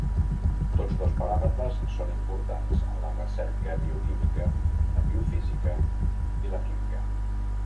Tots dos paràmetres són importants en la recerca bioquímica, la biofísica i la química.